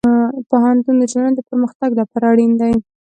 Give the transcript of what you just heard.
پوهنتون د ټولنې د پرمختګ لپاره اړین دی.